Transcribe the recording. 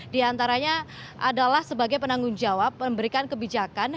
di antaranya adalah sebagai penanggung jawab memberikan kebijakan